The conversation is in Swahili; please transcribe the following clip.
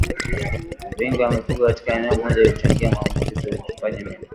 Wingi wa mifugo katika eneo moja huchangia maambuki ya utupaji mimba